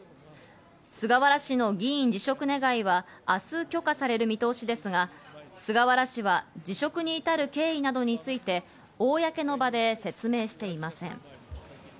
菅原氏の議員辞職願は明日、許可される見通しですが、菅原氏は辞職に至る経緯などについて公の場で説明していません。